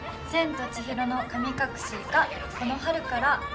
『千と千尋の神隠し』がこの春から。